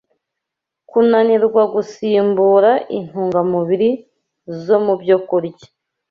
Kunanirwa Gusimbura Intungamubiri zo mu Byokurya